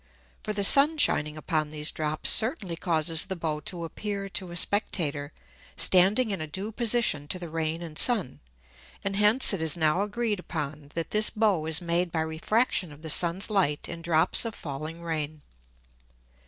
For the Sun shining upon these Drops certainly causes the Bow to appear to a Spectator standing in a due Position to the Rain and Sun. And hence it is now agreed upon, that this Bow is made by Refraction of the Sun's Light in drops of falling Rain.